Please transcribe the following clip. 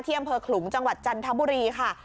อำเภอขลุงจังหวัดจันทบุรีค่ะ